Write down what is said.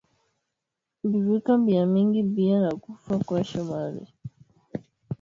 Biviko bia mingi biko na kufwa kwasho malari